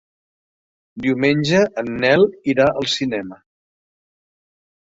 Diumenge en Nel irà al cinema.